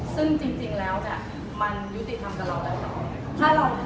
ซึ่งจริงแล้วเนี่ยมันยุติธรรมกับเราแล้วค่ะ